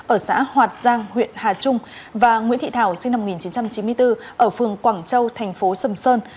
ở xã hoạt giang huyện hà trung và nguyễn thị thảo sinh năm một nghìn chín trăm chín mươi bốn ở phường quảng châu thành phố sầm sơn